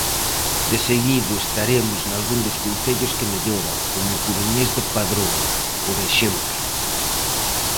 Deseguido estaremos nalgún dos concellos que mellora, como o coruñés de Padrón, por exemplo.